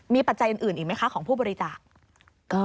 มีปัจจัยอื่นอีกไหมคะของผู้บริจาค